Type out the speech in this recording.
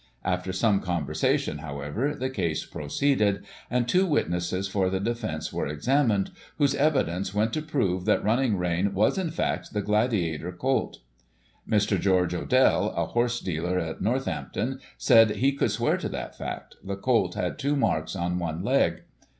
After some conversation, however, the case proceeded, and two witnesses for the defence were examined, whose evidence Digitized by Google 250 GOSSIP. [1844 went to prove that Running Rein was, in fact, the Gladiator colt. Mr. George Odell, a horse dealer at Northampton, said he could swear to that fact ; the colt had two marks on one leg.